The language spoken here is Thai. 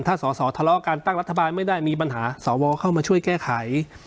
ถ้าสอสอทะเลาะการตั้งรัฐบาลไม่ได้มีปัญหาสวเข้ามาช่วยแก้ไข